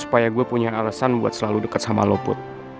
supaya gue punya alesan buat selalu deket sama lo put